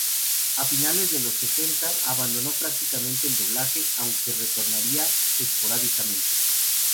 A finales de los sesenta abandonó prácticamente el doblaje, aunque retornaría esporádicamente.